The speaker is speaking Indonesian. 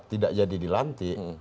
tidak jadi dilantik